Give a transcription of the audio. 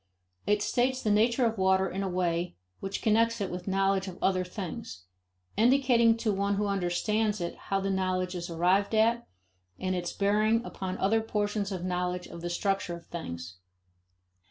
It states the nature of water in a way which connects it with knowledge of other things, indicating to one who understands it how the knowledge is arrived at and its bearings upon other portions of knowledge of the structure of things.